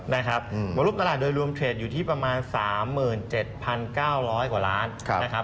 รวมตลาดโดยรวมเทรดอยู่ที่ประมาณ๓๗๙๐๐กว่าล้านนะครับ